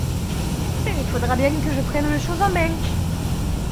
Il faudra bien que je prenne les choses en main.